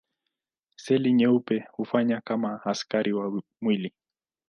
Seli nyeupe hufanya kama askari wa mwili.